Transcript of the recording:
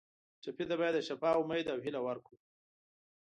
ټپي ته باید د شفا امید او هیله ورکړو.